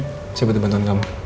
saya betul betul bantuan kamu